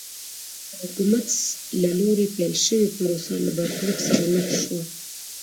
د حکومت له لوري پیل شوې پروسه له برخلیک سره مخ شوه.